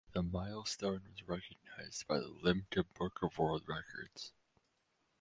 The milestone was recognized by the Limca Book of World Records.